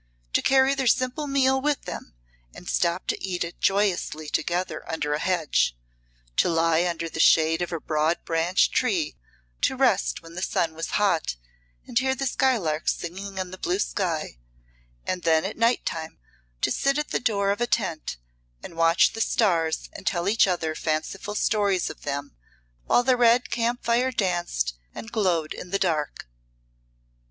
To carry their simple meal with them and stop to eat it joyously together under a hedge, to lie under the shade of a broad branched tree to rest when the sun was hot and hear the skylarks singing in the blue sky, and then at night time to sit at the door of a tent and watch the stars and tell each other fanciful stories of them, while the red camp fire danced and glowed in the dark.